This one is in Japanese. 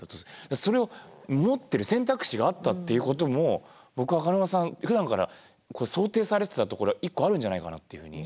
それを持ってる選択肢があったっていうことも僕赤沼さんふだんから想定されてた一個あるんじゃないかなっていうふうに。